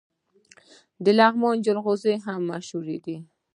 د لغمان جلغوزي هم مشهور دي.